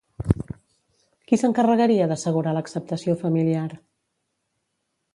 Qui s'encarregaria d'assegurar l'acceptació familiar?